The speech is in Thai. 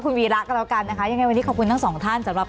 คุณวีระก็แล้วกันนะคะยังไงวันนี้ขอบคุณทั้งสองท่านสำหรับ